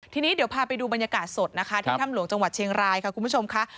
ทีนี้เดี๋ยวพาไปดูบรรยากาศสดนะคะที่ถ้ำหลวงจังหวัดเชียงรายค่ะคุณผู้ชมค่ะ